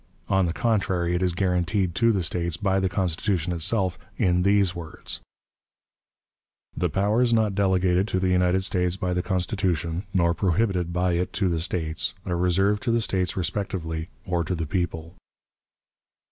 On the contrary, it is guaranteed to the States by the Constitution itself in these words: "The powers not delegated to the United States by the Constitution, nor prohibited by it to the States, are reserved to the States respectively, or to the people."